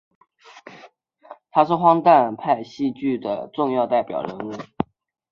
他是荒诞派戏剧的重要代表人物。